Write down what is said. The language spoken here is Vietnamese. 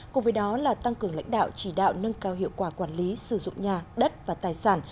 cùng với đó là tăng cường lãnh đạo chỉ đạo nâng cao hiệu quả quản lý sử dụng nhà đất và tài sản